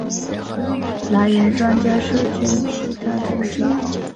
来源专家社群其他连结